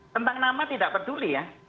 tentang nama tidak peduli ya